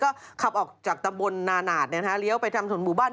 ก็ขับออกจากตะบลนาหนาดเลี้ยวไปทำสนบุบัน